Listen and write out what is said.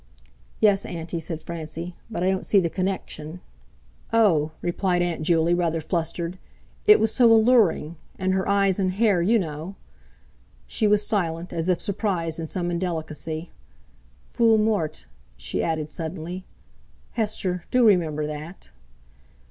"Yes, auntie," said Francie, "but I don't see the connection." "Oh!" replied Aunt Juley, rather flustered, "it was so alluring, and her eyes and hair, you know...." She was silent, as if surprised in some indelicacy. "Feuille morte," she added suddenly; "Hester—do remember that!"....